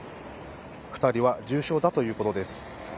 ２人は重傷だということです。